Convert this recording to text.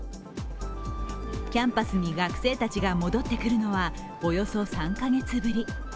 キャンパスに学生たちが戻ってくるのはおよそ３カ月ぶり。